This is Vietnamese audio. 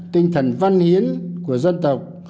tinh thần văn hiến của dân tộc